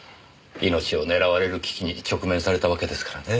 命を狙われる危機に直面されたわけですからね。